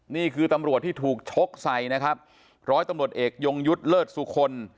นี่คือตำรวจที่ถูกชกใส่นะครับร้อยตำรวจเอกยงยุทธ์เลิศสุคล